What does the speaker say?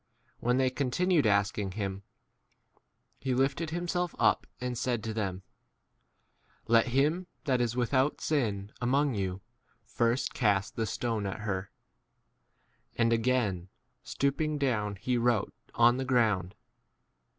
When they continued asking him, he lifted himself up and said to them, Let him that is without sin among you first cast 8 the stone at her. And again stoop ing down he wrote on the ground.